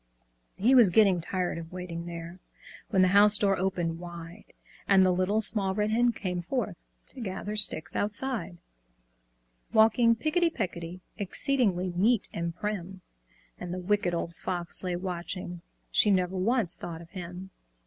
He was getting tired of waiting there, When the house door opened wide, And the Little Small Red Hen came forth To gather sticks outside; Walking picketty pecketty, Exceedingly neat and prim; And the Wicked Old Fox lay watching; She never once thought of him!